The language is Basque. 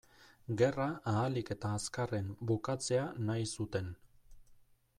Gerra ahalik eta azkarren bukatzea nahi zuten.